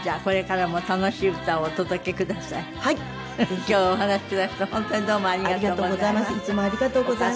今日はお話しくださって本当にどうもありがとうございます。